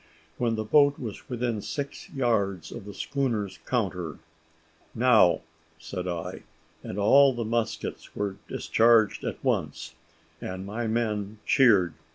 When the boat was within six yards of the schooner's counter. "Now!" said I, and all the muskets were discharged at once, and my men cheered.